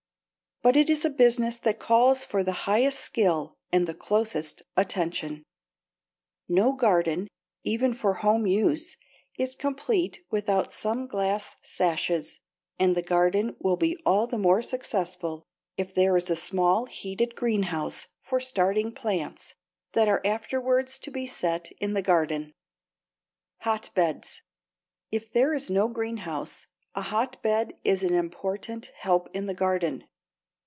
But it is a business that calls for the highest skill and the closest attention. [Illustration: FIG. 83. SETTING PLANTS IN A COLD FRAME] No garden, even for home use, is complete without some glass sashes, and the garden will be all the more successful if there is a small heated greenhouse for starting plants that are afterwards to be set in the garden. =Hotbeds.= If there is no greenhouse, a hotbed is an important help in the garden.